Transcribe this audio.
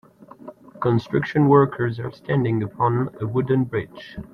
Construction workers are standing upon on a wooden bridge.